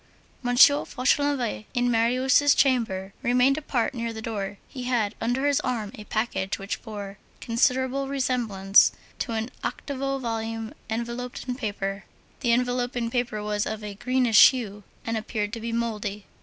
M. Fauchelevent in Marius' chamber, remained apart near the door. He had under his arm, a package which bore considerable resemblance to an octavo volume enveloped in paper. The enveloping paper was of a greenish hue, and appeared to be mouldy.